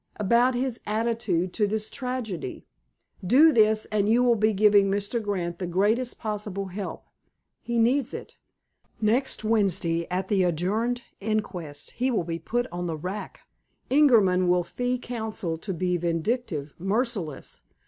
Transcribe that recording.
"About his attitude to this tragedy. Do this, and you will be giving Mr. Grant the greatest possible help. He needs it. Next Wednesday, at the adjourned inquest, he will be put on the rack. Ingerman will fee counsel to be vindictive, merciless.